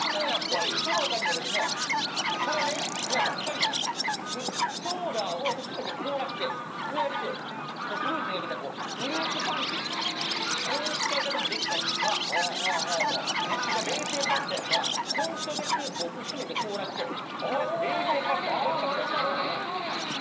そのほかにもですね、これね、宮根さん、ほかにもね、ソーダを薄めて凍らせて、こうやってフルーツにかけたらフルーツパンチ、こういう使い方もできたりとか、あと、夏場、冷製パスタやったら、コンソメスープを薄めて凍らせて、こうやって冷製パスタにこうやってかけたりとか。